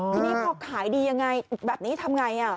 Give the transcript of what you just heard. พี่ปีนี่เขาขายดีอย่างไรแบบนี้ทำไง